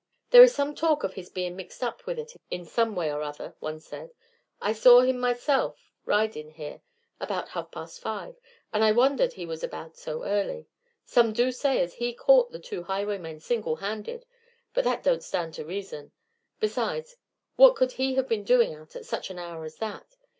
"There is some talk of his being mixed up with it in some way or other," one said. "I saw him myself ride in here, about half past five, and I wondered he was about so early. Some do say as he caught the two highwaymen single handed; but that don't stand to reason. Besides, what could he have been doing out at such an hour as that?